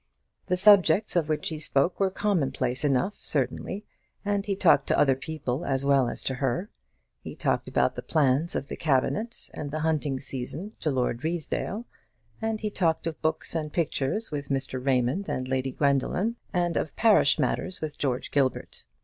The subjects of which he spoke were commonplace enough, certainly, and he talked to other people as well as to her. He talked about the plans of the Cabinet and the hunting season to Lord Ruysdale, and he talked of books and pictures with Mr. Raymond and Lady Gwendoline, and of parish matters with George Gilbert.